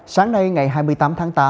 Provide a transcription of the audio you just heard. sáng nay ngày hai mươi tám tháng tám